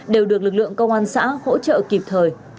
đều được lực lượng công an xã hỗ trợ kịp thời